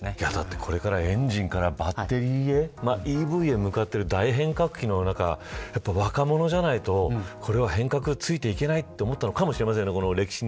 これからエンジンからバッテリーへＥＶへ向かっている大変革期の中若者じゃないと、変革についていけないと思ったのかもしれませんね。